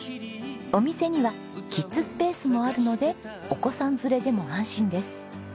お店にはキッズスペースもあるのでお子さん連れでも安心です。